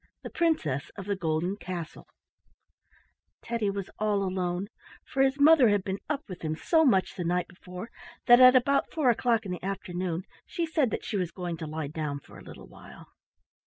THE PRINCESS OF THE GOLDEN CASTLE Teddy was all alone, for his mother had been up with him so much the night before that at about four o'clock in the afternoon she said that she was going to lie down for a little while.